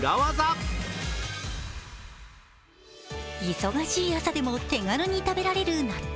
忙しい朝でも手軽に食べられる納豆。